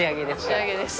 仕上げです。